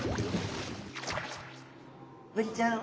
ブリちゃん